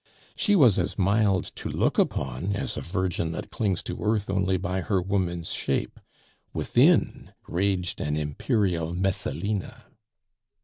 She was as mild to look upon as a virgin that clings to earth only by her woman's shape; within raged an imperial Messalina.